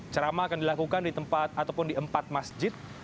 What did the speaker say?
ceramah akan dilakukan di tempat ataupun di empat masjid